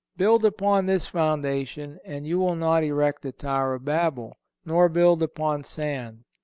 Build upon this foundation and you will not erect a tower of Babel, nor build upon sand.